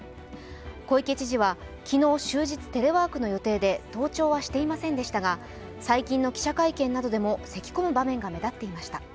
小池知事は昨日、終日テレワークの予定で登庁はしていませんでしたが、最近の記者会見でもせきこむ場面が目立っていました。